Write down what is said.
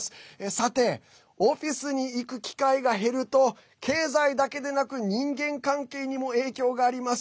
さてオフィスに行く機会が減ると経済だけでなく人間関係にも影響があります。